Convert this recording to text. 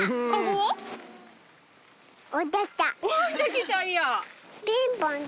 置いてきたんや。